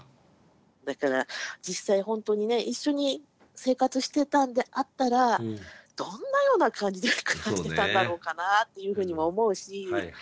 だから実際ほんとにね一緒に生活してたんであったらどんなような感じで暮らしてたんだろうかなっていうふうにも思うし。